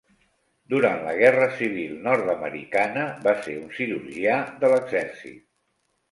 Durant la Guerra Civil Nord-americana va ser un cirurgià de l'exèrcit.